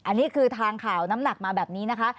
อันนี้คือทางข่าวน้ำหนักมาแบบนี้นะคะ